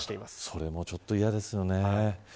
それもちょっと嫌ですよね。